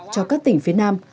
cho các tỉnh phía nam